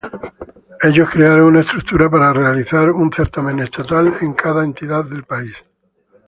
Ellos crearon una estructura para realizar un certamen Estatal en cada entidad del país.